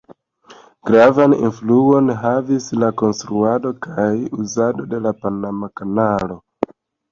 Gravan influon havis la konstruado kaj uzado de la Panama Kanalo.